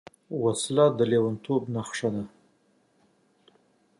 وسله د لېونتوب نښه ده